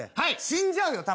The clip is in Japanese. はい。